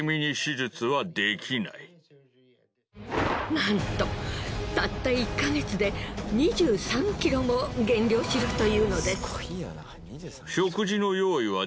なんとたった１ヵ月で２３ｋｇも減量しろというのです。